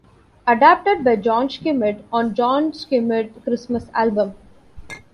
Adapted by Jon Schmidt on "Jon Schmidt Christmas" album.